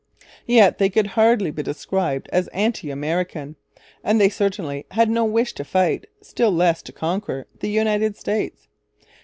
Yet they could hardly be described as anti American; and they certainly had no wish to fight, still less to conquer, the United States.